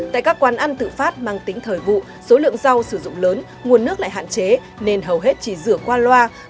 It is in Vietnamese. tại các quán ăn tự phát mang tính thời vụ số lượng rau sử dụng lớn nguồn nước lại hạn chế nên hầu hết chỉ rửa qua loa